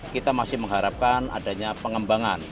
kita masih mengharapkan adanya pengembangan